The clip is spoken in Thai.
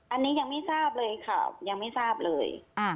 อันนี้ยังไม่ทราบเลยค่ะยังไม่ทราบเลย